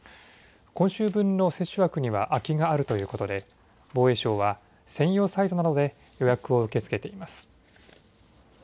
今週分の接種枠には空きがあるということで防衛省は専用サイトなどで予約を受け付けています。